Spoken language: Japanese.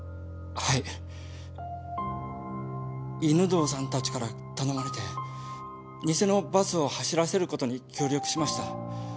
犬堂さんたちから頼まれて偽のバスを走らせることに協力しました。